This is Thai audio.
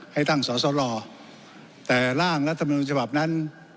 ให้ตั้งสอสลแต่ร่างรัฐมนุนฉบับนั้น